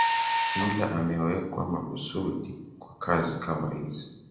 Ila amewekwa makusudi kwa kazi kama hizi